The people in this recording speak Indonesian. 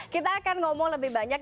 kita akan ngomong lebih banyak